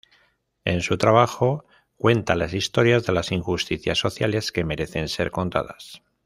En su trabajo, cuenta las historias de las injusticias sociales que merecen ser contadas.